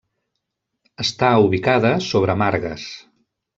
Està ubicada sobre margues.